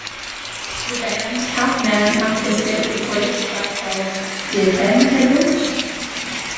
The band Half Man Half Biscuit recorded a track called 'Do y'ken Ted Moult?